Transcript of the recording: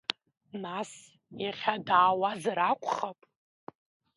Нас, иахьа даауазар акәхап?